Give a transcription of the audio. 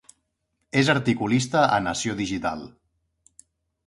És articulista a Nació Digital.